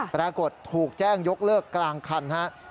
ปรากฏถูกแจ้งยกเลิกกลางคันครับ